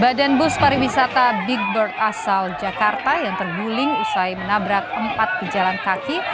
badan bus pariwisata big bird asal jakarta yang terguling usai menabrak empat pejalan kaki